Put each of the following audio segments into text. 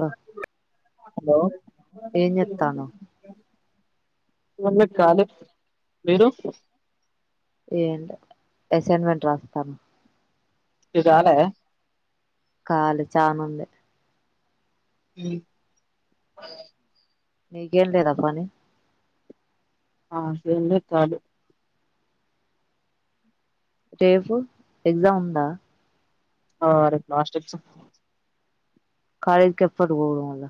ఆ హలో ఏం చెత్తానవ్ నేను ఖాళీ మీరు? ఏంటో అసైన్మెంట్ రాస్తాము ఇవి రాలేదా? ఖాళీ చాను ఉంది. ఉమ్ మీకేం లేదా పని ఆ అసైన్మెంట్ కాదు రేపు ఎగ్జామ్ ఉందా? ఆ రేప్ లాస్ట్ ఎగ్జమ్ కాలేజ్కి ఎప్పడు పోవుడు మల్ల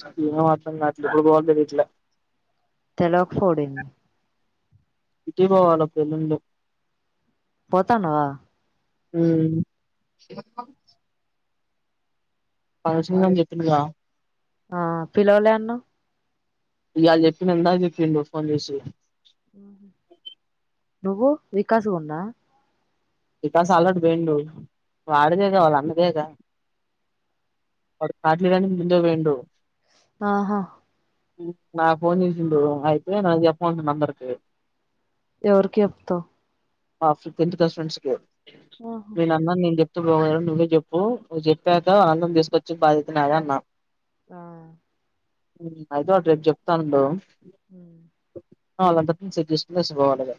సదువిన మొత్తం అట్లనే పోవట్లేదు ఇట్లే తెలవక పోడింది ఇటే పోవాల పెళ్లి ఉండు పోతన్నవా? ఉమ్ ఫంక్షన్ అని చెప్పిండు గా ఆ పిలవలే అన్నవ్ ఇలా చెప్పినంక చెప్పిండు ఫోన్ చేసి ఆహా నువ్వు వికాసు ఉండా? వికాస్ ఆల్రెడీ పోయిండు వాడిదే గా వాళ్ళ అన్నదేగా వాడు కార్డులు ఇయ్యాడానికి ముందే పోయిండు ఆహా ఉమ్ నాకు పోన్ చేసిండు అయితే నాకు చెప్పిమంటు నంబర్ కి ఎవరికి చెప్తావ్ ఆ ఫిప్ టెన్త్ బెస్ట్ ఫ్రెండ్స్కి ఆహా మీ నెంబర్ నేను చెప్ నవ్వ్ ఫోన్ చేసి నువ్వే చెప్పు నువ్వు చెప్పాక ఆళ్ళని తీసుకొచ్చే బాధ్యత నాది అన్నా. [unintelligible] ఆ ఉమ్ అయితే ఒకటి రేపు చెప్తానుండు ఉమ్ అలందరికి సెట్ చేసి పోవాలే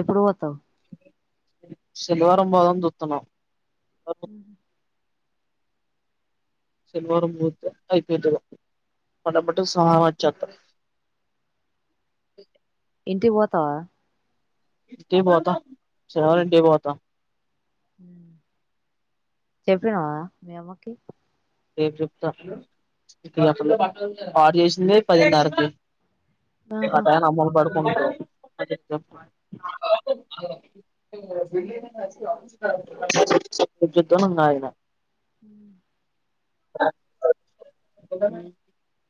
ఎప్పుడు పోతావు శనివారం పోదమని చుతున్న అ శనివారం పోతే ఐపోంతడి పండగపుట సోవారం వచ్చేస్తా ఇంటి కీ పోతవ ఇంటికే పోత శనివారం పోత చెప్పినవా మీ అమ్మకి రేప్ చెప్తా ఇప్పుడు చెప్పాను స్టార్ట్ చేసింది పదిన్నరకి ఆహా అదనా అమ్మలు పడుకు ఆగిన హ [inaudible]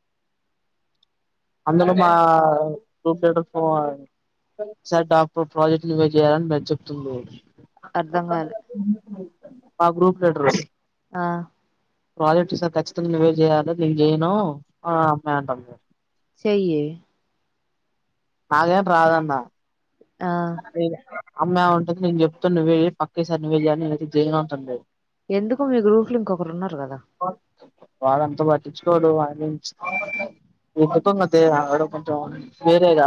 అందులోమా [unintelligible] ప్రాజెక్ట్ లు చేయాలని చెప్తుంది అర్ధం కాలే ఆ గ్రూప్ లీడర్ ఆ ప్రాజెక్ట్ ఖచ్చింగా నువ్వే చేయాలి నేను చేయను అమ్మాయి అంటుంది చేయ్యే నాగేం రాదన్న ఆ అమ్మాయి అంటుంది నేను చెప్త నువ్వు చేయి పక్కేసారి నువు చేయి నేనైతే చేయను ఉంటాంది ఎందుకు మీ గ్రూప్ల ఇంకొకరు ఉన్నారు కదా వాడంతా పట్టించుకోరు వాడిని చెప్ప [unintelligible] అడ కొంచం వేరే గా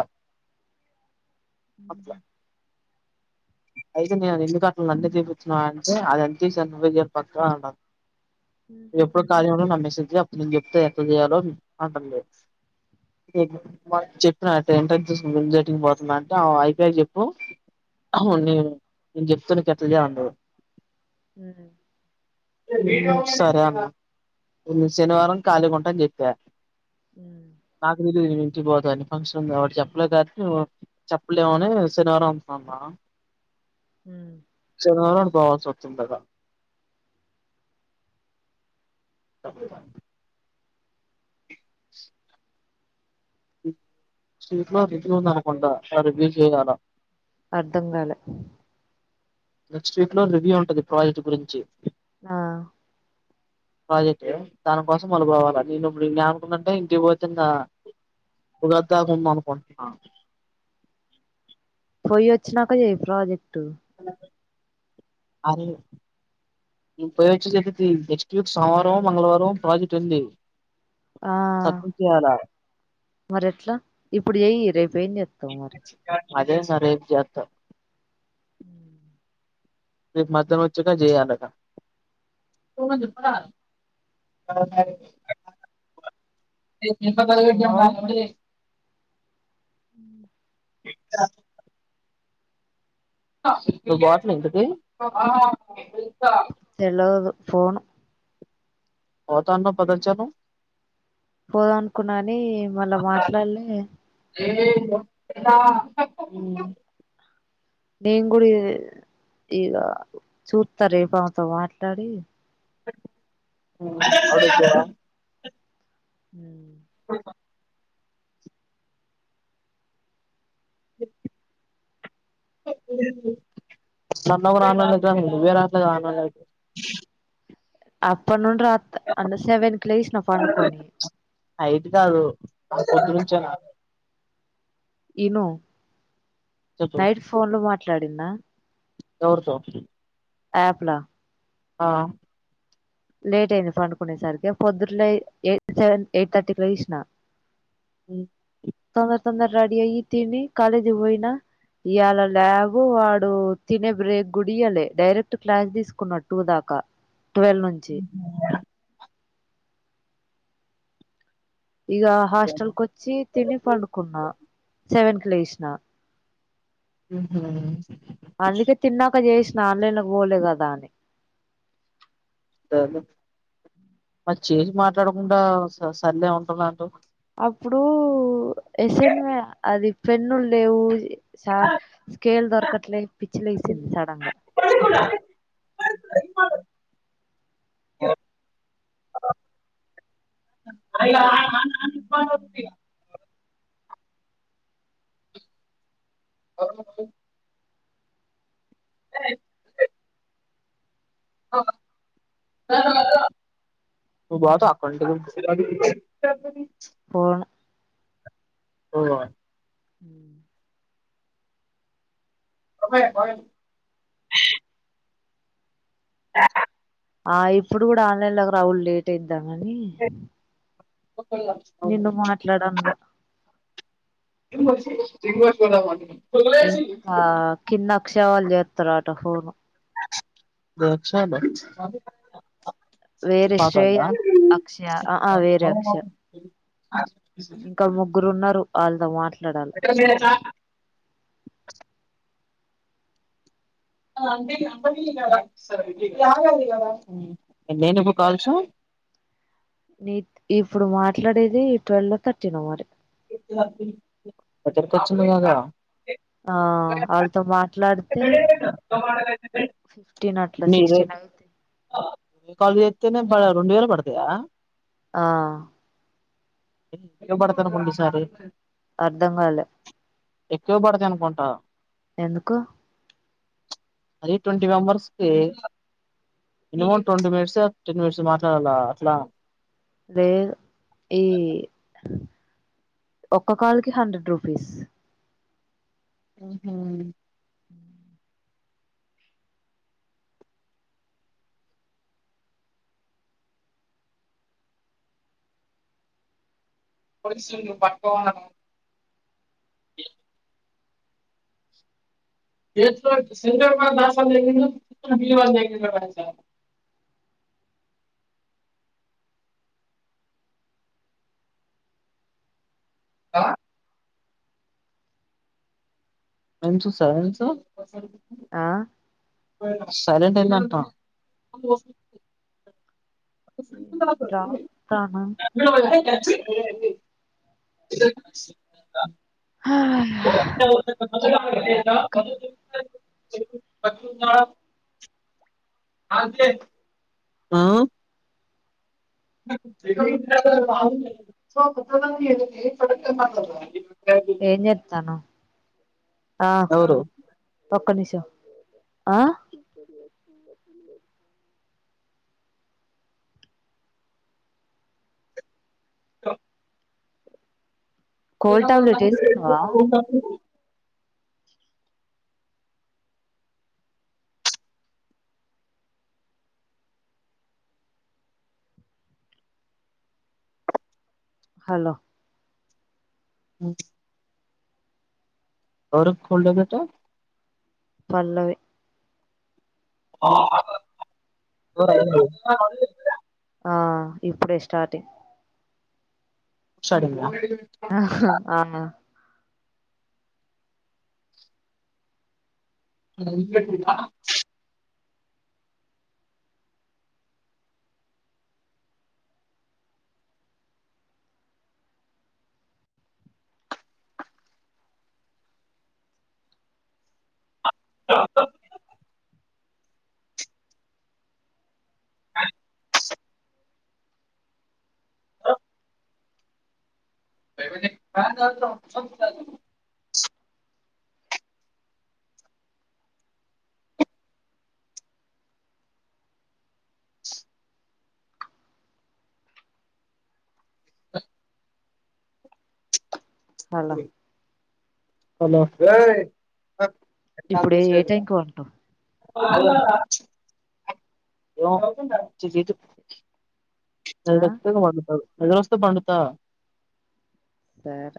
[inaudible] అట్లా అయితే నేను ఎందుకట నన్నే చూపిస్తున్నావు అంటే అది ఎంత ఈజీ అక్క నువ్వే చెప్పుబంటది ఉహు ఎప్పుడో కాళీ ఉన్నావో నాకు మెసేజ్ చై అప్పుడు నేను చెప్తే ఎల చేయాలో అంటుంది చెప్పిన అంటే ఇంటర్ [unintelligible] పోతుంనా అంటే అయిపోయాక చెప్పు అవును నేను నేను చెప్తను ఎట్లా చేయాలో అంటుంది హ సరే అన్న శనివారం కళీకుంటా అని చెప్పా ఉమ్ నాకు పోతు అన్ని ఫంక్షన్ ఉంది వాటి చెప్పలే కాబట్టి చెప్పలేమని శనివారం అన్నా హ వారం అంటూ పోవాల్సొస్తుంది సప్ప [inaudible] వీక్ లో రివ్యూ ఉందనుకుండా రివ్యూ చేయల అర్ధం గాలే నెక్స్ట్ వీక్ లో రివ్యూ ఉంటది ప్రాజెక్ట్ గురించి ఆ ప్రాజెక్టు దాని కోసం మళ్ళ పోవాల నేను ఇప్పుడు ఎం అనుకున్నాంటే ఇంటికి వచ్చింద పోయిస్తా అనుకుంటున్నాను పోయి వచ్చినాక చేయి ప్రాజెక్ట్ అ ఉ పోయి వచి చేపిది నెక్స్ట్ వీక్ సోమవారమో మంగళవారమో ప్రాజెక్ట్ ఉంది సబ్మిట్ చెయ్యాల మరెట్ల ఇప్పుడు జెయి రేప్ ఏం జెత్తవ్ మరి అదేస రేప్ జేత్తం రేప్ మధ్యానం వచ్చక జేయాలట [unintelligible] మ్ [inaudible] నువ్ పోతునవ ఇంతకి తెలదు పోను పోతా అన్నవ్ పద చెప్పు పోదకున్న గని మళ్ళ మాట్లాడ్లే ఊ నేన్ గుడ ఇ ఇగ చూత్త రేపు ఆమెతో మాట్లాడి [unintelligible] మ్ కుల్ఫా [inaudible] నన్నవ రాన్ అనటానికి నువ్వే రావట్లే అనలేవ్ అప్పట్ నుండి రాత్ అంటే సెవెన్కి లేసిన పండుకొని అయితే గాదు ఆ పొద్దునుంచే నా ఇను చెప్పు నైట్ ఫోన్లో మాట్లాడిందా ఎవర్తో యాప్ల ఆ లేట్ అయింది పండుకునే సరికే పొద్దులే ఎయి సెవెన్ ఎయిట్ థర్టీకి లేసిన మ్ తొందర్ తొందర్ రెడీ అయి తిని కాలేజ్ పోయిన ఇయాళ ల్యాబు వాడు తినే బ్రేక్ గుడియలే డైరెక్ట్ క్లాస్ తీసుకున్నడ్ టూ దాకా ట్వల్ ఉ హ్ ఇగ హాస్టల్కొచ్చి తిని పండుకున్నా సెవెన్కి లేసిన అందుకే తిన్నాక జేస్ ఆన్లైన్ల ఓలే గదా అని మరి చేంజ్ మాట్లాడకుండా సర్లే ఉంటుంనటు అప్పుడూ ఎసన్వే అది పెన్నుల్ లేవు సా స్కేల్ దొరకట్లే పిచ్చిలేసింది సడన్గా [unintelligible] అఓ [unintelligible] ఏ ఓ ను బోతవా అక్కోలింటికి [inaudible] పోను పోవా హ్ అ [unintelligible] ఆ ఇప్పుడు గుడా ఆన్లైన్లకు రావుడ్ లేట్ అయిందా గని నిన్ను మాట్లాడన్న [unintelligible] ఇంకా కింద అక్షవాలు చేత్తరట ఫోను బక్షాలు ఈ వేరే పాతోల్ల శ్రేయ అక్షయ ఆ ఆ వేరే అక్షయ ఇంకా ముగ్గురున్నరు ఆళ్ళతో మాట్ల్ ఎ మీన నేనుకు కాల్చు ఇప్పుడు మాట్లాడేది ట్వెల్వ్ లో థర్టీనో మరి అదర్కచ్చిమ గద ఆ ఆళ్ళతో మాట్లాడితే ఫిఫ్టీన్ అట్లా మీరే సిక్స్టీన్ అయిద్ది ఏం కాల్ రొండు వేలు పడతయా ఆ ఇనబడతను ముందు సారి అర్ధం గాలే ఎక్కువ పడదనుకుంటా ఎందుకు అరే టొంటీ మెంబర్స్కి minimum twenty minutes ten minutes మాట్లాడాల అట్లా లేదు ఈ ఒక్క కాలుకి హండ్రెడ్ రూపీస్ ఊహు అ పక్క ఏస్కోచ్ సింగర [unintelligible] ఆ అంచు సెవెన్ సు ఆ సైలంట్ అనంటా రాత్తాను [inaudible] [inaudible] హా [inaudible] ఇంకా చెప్పు పటుమా ఆ [inaudible] సో [unintelligible] ఏం జేత్తానవ్ ఆ ఎవరు పక్క నిషో ఆ త కోల్డ్ టాబ్లెట్ వేసుకున్నావా [inaudible] హలో ఓ ఔరు కోల్డ్ బెటా పల్లవి కోరగను ఆ ఇప్పుడే స్టార్టింగ్ సరిమ ఆ భయబేటిదా హఎవలు మీరు అ [unintelligible] హలో హలో ఇప్పుడు ఏ టైంకు ఉంటావు తాగావా ఎవుతాతే చి చీయి ఆ [unintelligible] నిద్రస్తే పండుతా ఆట